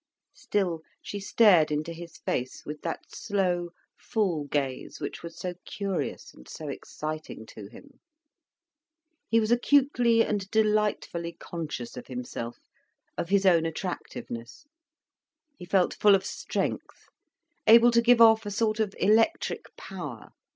Still she stared into his face with that slow, full gaze which was so curious and so exciting to him. He was acutely and delightfully conscious of himself, of his own attractiveness. He felt full of strength, able to give off a sort of electric power.